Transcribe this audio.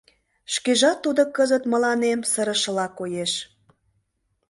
Шкежат тудо кызыт мыланем сырышыла коеш.